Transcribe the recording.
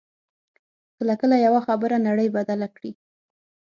کله کله یوه خبره نړۍ بدله کړي